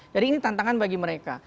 jadi ini tantangan bagi mereka